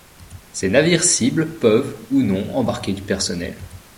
Ces navires cibles peuvent ou non embarquer du personnel.